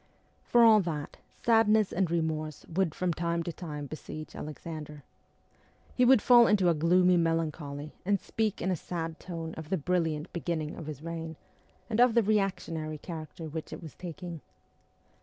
For all that sadness and remorse would from time to time besiege Alexander. He would fall into a gloomy melancholy, and speak in a sad tone of the brilliant beginning of his reign, and of the reactionary character which it was taking.